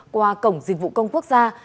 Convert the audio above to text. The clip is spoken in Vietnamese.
qua cổng dịch vụ công quốc gia